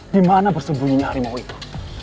dimana bersembunyinya harimau itu